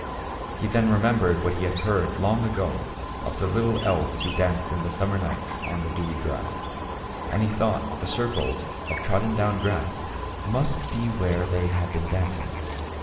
Then he remembered what he had heard long ago of the little elves who danced in the summer nights on the dewy grass ; and he thought that the circles of trodden down grass must be where they had been dancing.